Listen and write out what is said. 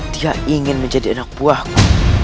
dia ingin menjadi anak buahku